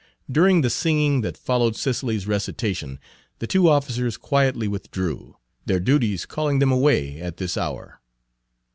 During the singing that followed Cicely's recitation the two officers quietly withdrew, their duties calling them away at this hour.